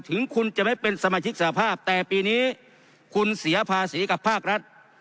ถึงคุณจะไม่เป็นสมาชิกสภาพแต่ปีนี้คุณเสียภาษีกับภาครัฐ